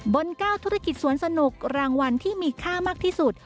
บน๙ธุรกิจสวนสนุกรางวัลที่มีค่ามากที่สุด